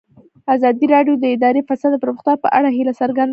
ازادي راډیو د اداري فساد د پرمختګ په اړه هیله څرګنده کړې.